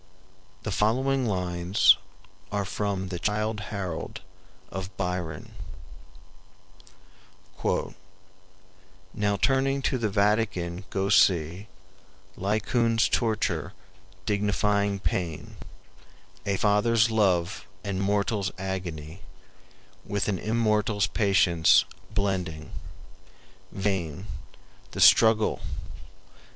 The following lines are from the "Childe Harold" of Byron: "Now turning to the Vatican go see Laocoon's torture dignifying pain; A father's love and mortal's agony With an immortal's patience blending; vain The struggle!